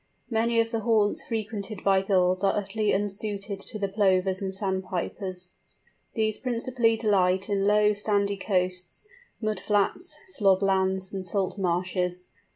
Many of the haunts frequented by Gulls are utterly unsuited to the Plovers and Sandpipers. These principally delight in low sandy coasts, mud flats, slob lands, and salt marshes.